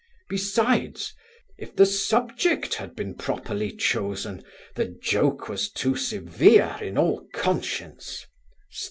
Besides, if the subject had been properly chosen, the joke was too severe in all conscience.